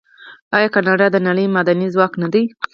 آیا کاناډا د نړۍ معدني ځواک نه دی؟